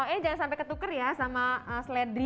eh jangan sampai ketuker ya sama seledri